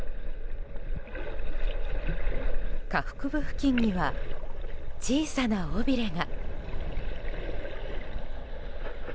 下腹部付近には小さな尾びれが。